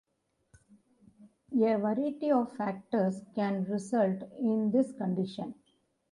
A variety of factors can result in this condition.